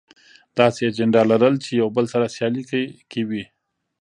داسې اجنډا لرل چې يو بل سره سیالي کې وي.